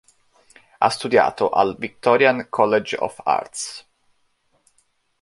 Ha studiato al Victorian College of Arts.